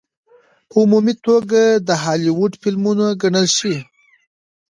په عمومي توګه د هالي وډ فلمونه ګڼلے شي.